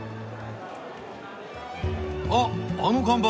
あっあの看板。